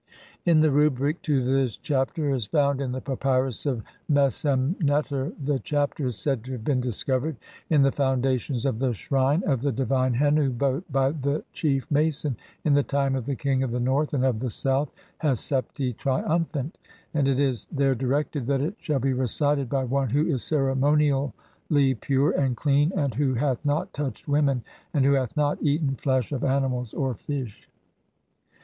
In the Rubric to this Chapter as found in the Papyrus of Mes em neter, the Chapter is said to have been "discovered in "the foundations of the shrine of the divine Hennu boat by the "chief mason in the time of the king of the North and of the "South, Hesepti, 1 triumphant," and it is there directed that it "shall be recited by one who is ceremonially pure and clean, "and who hath not touched women, and who hath not eaten "flesh of animals or fish."